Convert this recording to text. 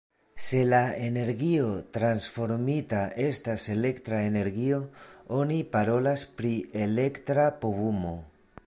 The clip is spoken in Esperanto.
Se la energio transformita estas elektra energio oni parolas pri elektra povumo.